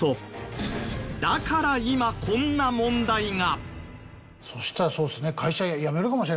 だから今こんな問題が！そしたらそうですね。